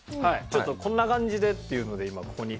ちょっとこんな感じでっていうので今ここに。